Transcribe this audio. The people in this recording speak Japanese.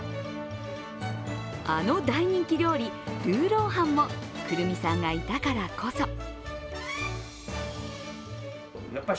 あの大人気料理、ルーロー飯もくるみさんがいたからこそ。